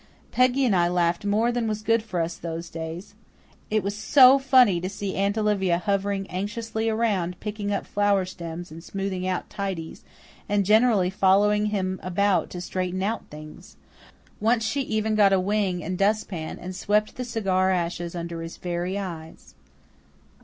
Peggy and I laughed more than was good for us those days. It was so funny to see Aunt Olivia hovering anxiously around, picking up flower stems, and smoothing out tidies, and generally following him about to straighten out things. Once she even got a wing and dustpan and swept the cigar ashes under his very eyes.